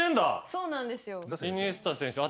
そうなんですよ。